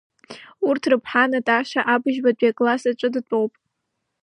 Урҭ рыԥҳа Наташа абыжьбатәи акласс аҿы дтәоуп.